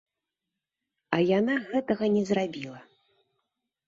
А яна гэтага не зрабіла.